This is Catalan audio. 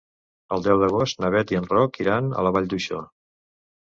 El deu d'agost na Beth i en Roc iran a la Vall d'Uixó.